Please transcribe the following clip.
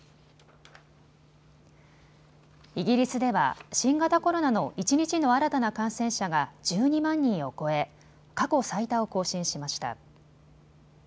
イギリスでは新型コロナの一日の新たな感染者が１２万人を超え過去最多を更新しました。